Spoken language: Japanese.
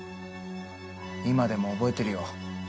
今でも覚えてるよ。